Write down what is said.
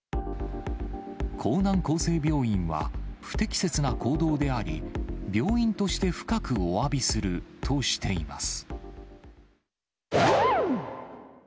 江南厚生病院は、不適切な行動であり、病院として深くおわびするとしています。